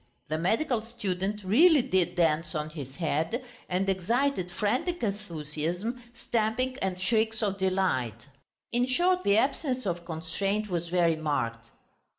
The medical student really did dance on his head, and excited frantic enthusiasm, stamping, and shrieks of delight. In short, the absence of constraint was very marked.